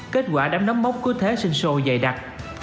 kết quả đám nấm mốc cứ thế sinh sôi dày đặc